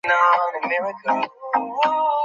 ডিউটিতে দায়িত্বরত অবস্থায় মারা যায়।